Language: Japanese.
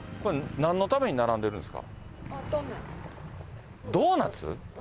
何のために並んでるんですか？